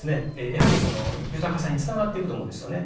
やはり豊かさにつながっていくと思うんですよね。